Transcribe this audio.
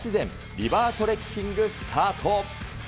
リバートレッキングスタート。